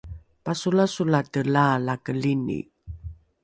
pasolasolate laalakelini